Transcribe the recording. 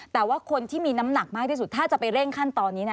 แต่ว่าคนที่มีน้ำหนักมากที่สุดถ้าจะไปเร่งขั้นตอนนี้